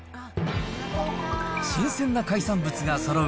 新鮮な海産物がそろう